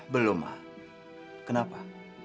belum ma kenapa